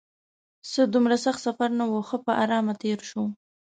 څه دومره سخت سفر نه و، ښه په ارامه تېر شو.